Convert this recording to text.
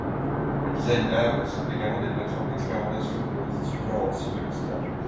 Les Design Labs sont également des plateformes d'expérimentation pour les étudiants en cycle master.